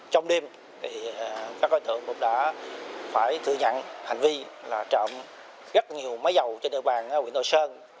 trong đêm các đối tượng cũng đã phải thừa nhận hành vi trộm rất nhiều máy dầu trên địa bàn huyện thoại sơn